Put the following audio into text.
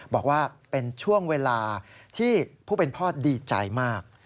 บอกว่าเป็นช่วงเวลาที่ผู้เป็นพ่อดีใจมาก